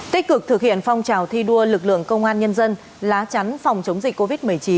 tích cực thực hiện phong trào thi đua lực lượng công an nhân dân lá chắn phòng chống dịch covid một mươi chín